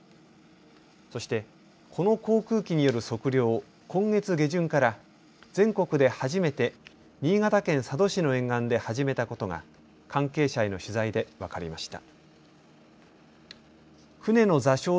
そしてこの航空機による測量を今月下旬から全国で初めて新潟県佐渡市の沿岸で始めたことが関係者への取材で分かりました。